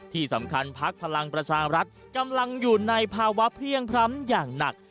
ที่สำคัญพักพลังประชารัฐกำลังอยู่ในภาวะเพลี่ยงพร้ำอย่างหนัก